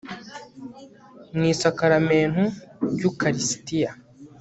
mu isakaramentu ry'ukaristiya